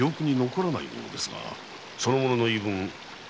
その者の言い分